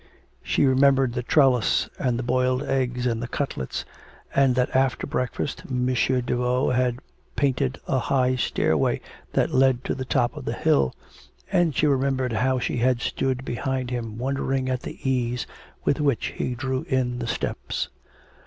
She remembered the trellis and the boiled eggs and the cutlets, and that after breakfast M. Daveau had painted a high stairway that led to the top of the hill and she remembered how she had stood behind him wondering at the ease with which he drew in the steps.